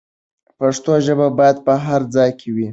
پښتو ژبه باید په هر ځای کې وي.